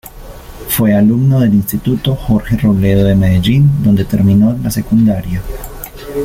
Fue alumno del Instituto Jorge Robledo de Medellín, donde terminó la secundaria.